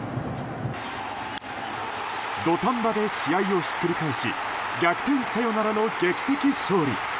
土壇場で試合をひっくり返し逆転サヨナラの劇的勝利。